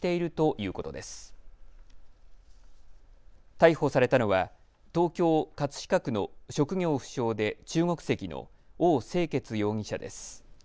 逮捕されたのは東京葛飾区の職業不詳で中国籍の翁世杰容疑者です。